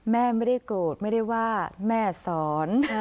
แม่ไม่ได้โกรธไม่ได้ว่าแม่สอน